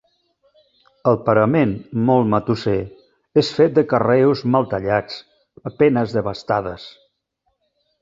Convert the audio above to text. El parament, molt matusser, és fet de carreus mal tallats, a penes devastades.